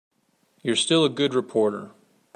You're still a good reporter.